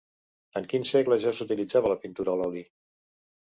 En quin segle ja s'utilitzava la pintura a l'oli?